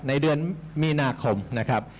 ในเดือนมีนาคมนะครับ